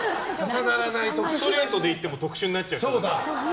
ストレートで行っても特殊になっちゃう。